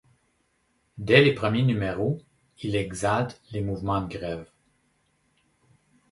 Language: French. Dès les premiers numéros, il exalte les mouvements de grève.